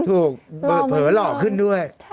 ถูกเผลอหล่อขึ้นด้วย